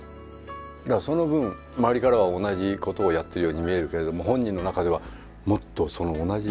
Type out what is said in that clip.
だからその分周りからは同じ事をやってるように見えるけれども本人の中ではもっとその同じ。